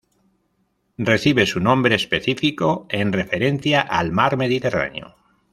Recibe su nombre específico en referencia al mar Mediterráneo.